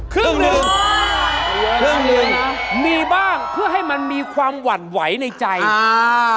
ครึ่งหนึ่งครึ่งหนึ่งมีบ้างเพื่อให้มันมีความหวั่นไหวในใจอ่า